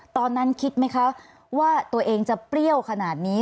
ตอนนั้นคิดไหมคะว่าตัวเองจะเปรี้ยวขนาดนี้